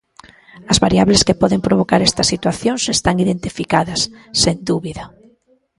As variables que poden provocar estas situacións están identificadas, sen dúbida.